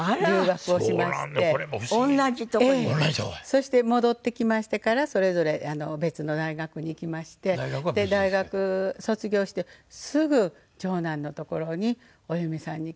そして戻ってきましてからそれぞれ別の大学に行きまして大学卒業してすぐ長男のところにお嫁さんに来てくださったんです。